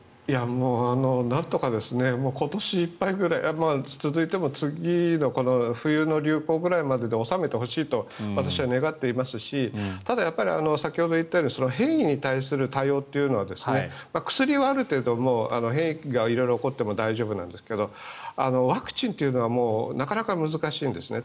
なんとか今年いっぱいぐらい続いても次の冬の流行ぐらいで収めてほしいと私は願っていますしただ、先ほど言ったように変異に対する対応というのは薬はある程度変異が起こっても大丈夫ですがワクチンというのはなかなか難しいんですね。